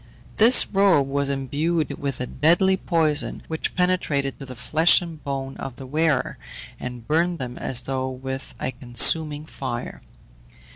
This robe was imbued with a deadly poison which penetrated to the flesh and bone of the wearer, and burned them as though with a consuming fire.